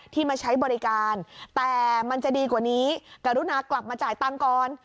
มาใช้บริการแต่มันจะดีกว่านี้กรุณากลับมาจ่ายตังค์ก่อน